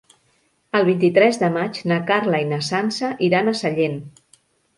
El vint-i-tres de maig na Carla i na Sança iran a Sallent.